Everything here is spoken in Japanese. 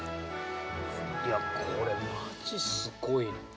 いやこれまじすごいね。